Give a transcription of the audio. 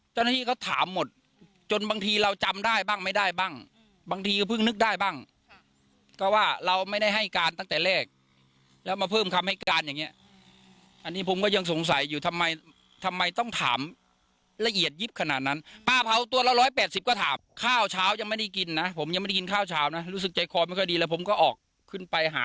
เจ้าหน้าที่ก็ถามหมดจนบางทีเราจำได้บ้างไม่ได้บ้างบางทีก็เพิ่งนึกได้บ้างก็ว่าเราไม่ได้ให้การตั้งแต่แรกแล้วมาเพิ่มคำให้การอย่างเงี้ยอันนี้ผมก็ยังสงสัยอยู่ทำไมทำไมต้องถามละเอียดยิบขนาดนั้นป้าเผาตัวละ๑๘๐ก็ถามข้าวเช้ายังไม่ได้กินนะผมยังไม่ได้กินข้าวเช้านะรู้สึกใจคอไม่ค่อยดีแล้วผมก็ออกขึ้นไปหา